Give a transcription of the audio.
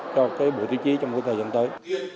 cho bộ tiêu chí trong thời gian tới